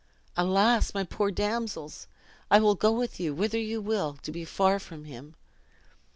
"Alas, my poor damsels! I will go with you, whither you will, to be far from him."